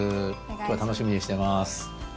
今日は楽しみにしてます。